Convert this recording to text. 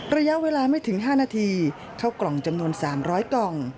ระยะเวลาไม่ถึง๕นาทีเข้ากล่องจำนวน๓๐๐กล่อง